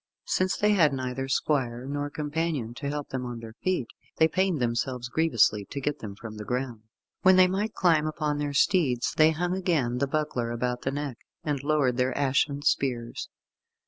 Since they had neither squire nor companion to help them on their feet, they pained them grievously to get them from the ground. When they might climb upon their steeds, they hung again the buckler about the neck, and lowered their ashen spears.